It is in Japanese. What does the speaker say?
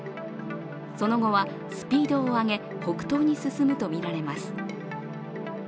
その後はスピードを上げ北東に進むとみられます。